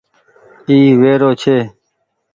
اي ويرو ڇي۔